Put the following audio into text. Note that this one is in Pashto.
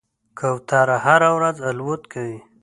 کوتره هره ورځ الوت کوي.